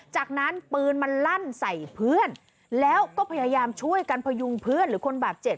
จากนั้นปืนมันลั่นใส่เพื่อนแล้วก็พยายามช่วยกันพยุงเพื่อนหรือคนบาดเจ็บ